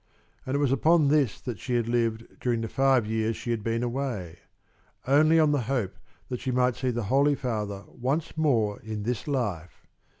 And it was upon this that she had lived during the five years she had been away only on the hope that she might see the Holy Father once more in this life!